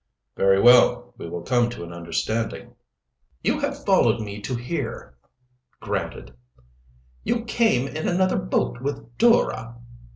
"Very well, we will come to an understanding." "You have followed me to here." "Granted." "You came in another boat with Dora."